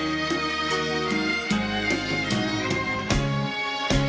เพลงแรกของเจ้าเอ๋ง